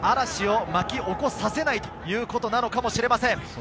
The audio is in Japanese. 嵐をまき起こさせないということなのかもしれません。